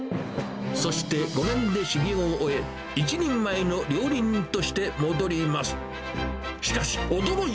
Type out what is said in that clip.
そして５年で修業を終え、一人前の料理人として戻ります。